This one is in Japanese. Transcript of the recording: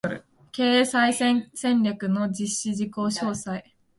経営再建戦略の実施事項詳細